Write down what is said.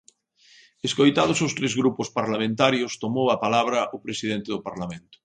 Escoitados os tres grupos parlamentarios, tomou a palabra o presidente do Parlamento.